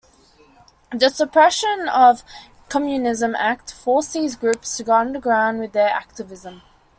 The Suppression of Communism Act forced these groups to go underground with their activism.